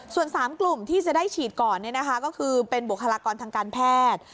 ส่วน๓กลุ่มที่จะได้ฉีดก่อนก็คือเป็นบุคลากรทางการแพทย์